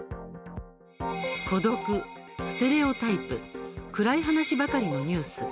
孤独、ステレオタイプ暗い話ばかりのニュース。